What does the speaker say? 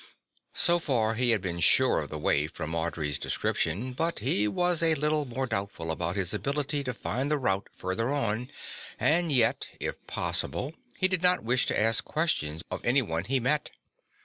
So far he had been sure of the way from Audry's description, but he was a little more doubtful about his ability to find the route further on and yet, if possible, he did not wish to ask questions of any one he met.